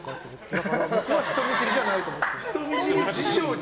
だから、僕は人見知りじゃないと思ってる。